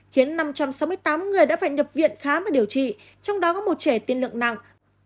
khiến năm trăm sáu mươi tám người đã phải nhập viện khám và điều trị trong đó có một trẻ tiên lượng nặng